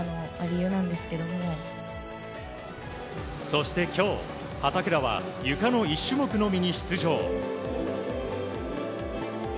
そして、今日畠田はゆかの１種目のみに出場。